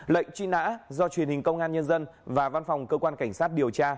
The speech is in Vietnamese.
lệnh truy nã do truyền hình công an nhân dân và văn phòng cơ quan cảnh sát điều tra